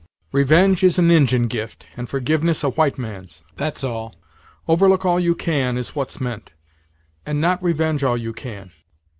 Revenge is an Injin gift, and forgiveness a white man's. That's all. Overlook all you can is what's meant; and not revenge all you can.